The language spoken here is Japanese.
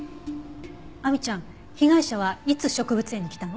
亜美ちゃん被害者はいつ植物園に来たの？